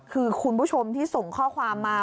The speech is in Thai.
คือคุณผู้ชมที่ส่งข้อความมา